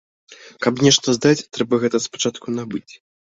Каб нешта здаць, трэба гэта спачатку набыць.